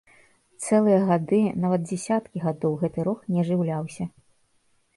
Цэлыя гады, нават дзесяткі гадоў гэты рог не ажыўляўся.